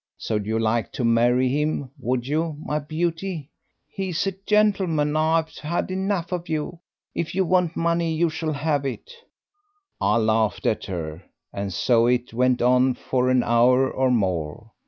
So you'd like to marry him, would you, my beauty?' "'He's a gentleman, and I've had enough of you; if you want money you shall have it.' "I laughed at her, and so it went on for an hour or more.